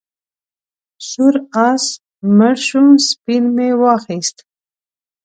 سور آس مړ شو سپین مې واخیست.